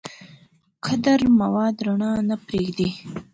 کدر مواد رڼا نه پرېږدي.